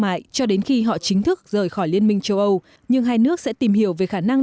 mại cho đến khi họ chính thức rời khỏi liên minh châu âu nhưng hai nước sẽ tìm hiểu về khả năng